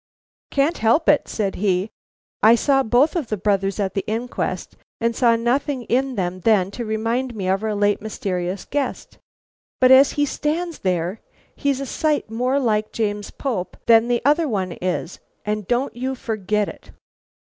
'Can't help it,' said he; 'I saw both of the brothers at the inquest, and saw nothing in them then to remind me of our late mysterious guest. But as he stands there, he's a sight more like James Pope than the other one is, and don't you forget it.'